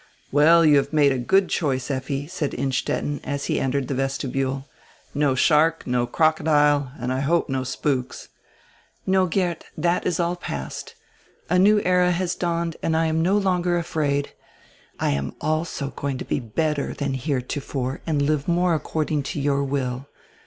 "Well, you have made a good choice, Effi," said Innstetten, as he entered the vesti bule; "no shark, no crocodile, and, I hope, no spooks." "No, Geert, diat is all past. A new era has dawned and I am no longer afraid. I am also going to be better than heretofore and live more according to your will."